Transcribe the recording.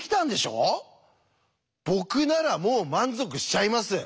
僕ならもう満足しちゃいます。